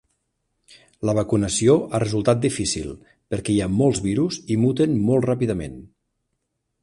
La vacunació ha resultat difícil, perquè hi ha molts virus i muten molt ràpidament.